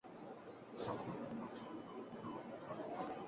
国际癌症研究机构将萘氮芥列为人类致癌物。